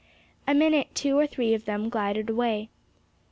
A minute, two, three of them glided away.